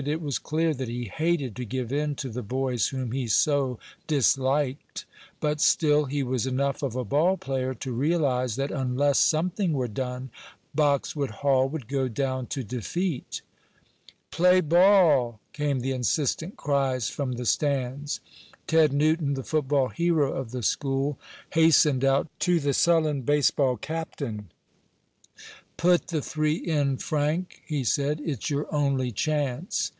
It was clear that he hated to give in to the boys whom he so disliked, but still he was enough of a ball player to realize that unless something were done Boxwood Hall would go down to defeat. "Play ball!" came the insistent cries from the stands. Ted Newton, the football hero of the school, hastened out to the sullen baseball captain. "Put the three in, Frank," he said. "It's your only chance."